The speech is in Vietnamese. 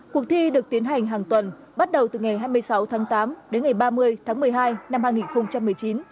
cuộc thi được tiến hành hàng tuần bắt đầu từ ngày hai mươi sáu tháng tám đến ngày ba mươi tháng một mươi hai năm hai nghìn một mươi chín